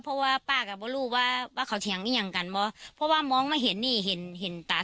สั้มสั่มสั่มประมาณ๓ครั้งก่อนที่ป้าจะวิ่งมาถึงอ่ะ